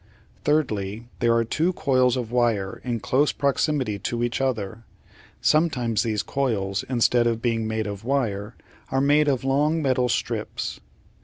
Thirdly, there are two coils of wire in close proximity to each other. Sometimes these coils, instead of being made of wire, are made of long metal strips.